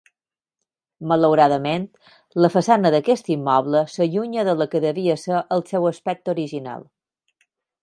Malauradament, la façana d'aquest immoble s'allunya de la que devia ser el seu aspecte original.